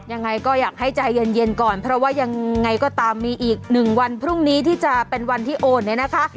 ยังไงก็อยากให้ใจเย็นก่อนเพราะว่ายังไงก็ตามมีอีกหนึ่งวันพรุ่งนี้ที่จะเป็นวันที่โอนเนี่ยนะคะ